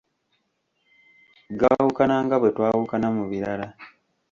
Gaawukana nga bwe twawukana mu birala.